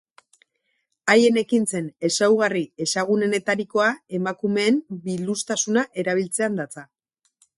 Haien ekintzen ezaugarri ezagunenetarikoa emakumeen biluztasuna erabiltzean datza.